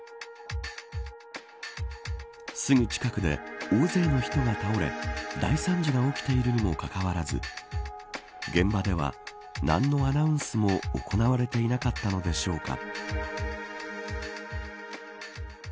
すぐ近くで大勢の人が倒れ大惨事が起きているにもかかわらず現場では何のアナウンスも行われていなかったのでしょうか。